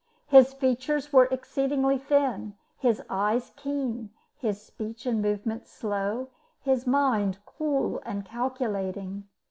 His features were exceedingly thin, his eyes keen, his speech and movements slow, his mind cool and calculating.